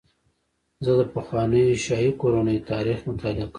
زه د پخوانیو شاهي کورنیو تاریخ مطالعه کوم.